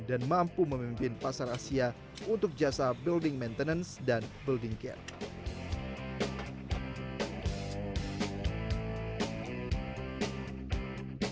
dan mampu memimpin pasar asia untuk jasa building maintenance dan building care